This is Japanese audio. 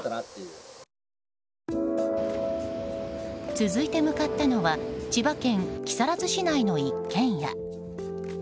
続いて向かったのは千葉県木更津市の一軒家。